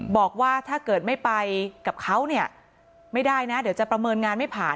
บอกว่าถ้าเกิดไม่ไปกับเขาเนี่ยไม่ได้นะเดี๋ยวจะประเมินงานไม่ผ่าน